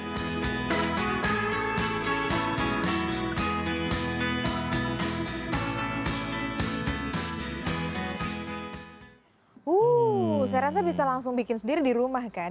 wuh saya rasa bisa langsung bikin sendiri di rumah kan